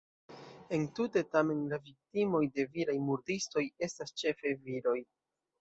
Entute tamen la viktimoj de viraj murdistoj estas ĉefe viroj.